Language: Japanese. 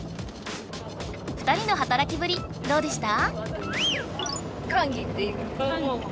２人のはたらきぶりどうでした？